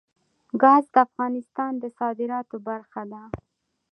ګاز د افغانستان د صادراتو برخه ده.